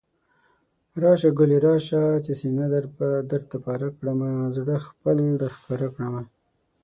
راشه ګلي راشه، چې سينه درته پاره کړمه، زړه خپل درښکاره کړمه